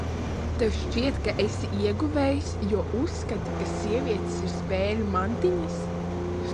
Tev šķiet, ka esi ieguvējs, jo uzskati, ka sievietes ir spēļu mantiņas?